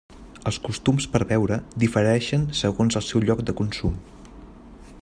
Els costums per beure difereixen segons el seu lloc de consum.